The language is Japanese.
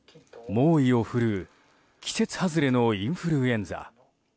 猛威を振るう季節外れのインフルエンザ。